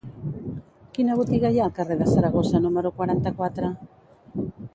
Quina botiga hi ha al carrer de Saragossa número quaranta-quatre?